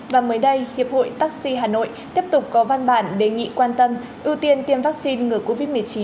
và mới đây hiệp hội taxi hà nội tiếp tục có văn bản đề nghị quan tâm ưu tiên tiêm vaccine ngừa covid một mươi chín